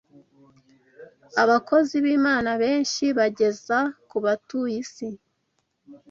Abakozi b’Imana benshi bageza ku batuye isi